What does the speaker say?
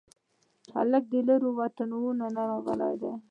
هلک د لیرو وطنونو راغلي